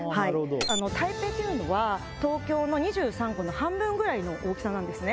台北っていうのは東京の２３区の半分ぐらいの大きさなんですね。